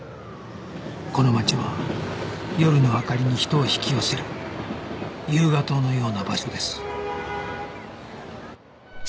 この街は夜の明かりに人を引き寄せる誘蛾灯のような場所です